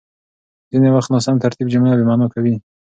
ځينې وخت ناسم ترتيب جمله بېمعنا کوي.